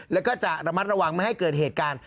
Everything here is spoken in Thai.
แล้วก็จะระมัดระวังไม่ให้เกิดเหตุการณ์